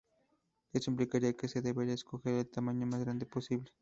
Esto implicaría que se debería escoger el tamaño más grande posible.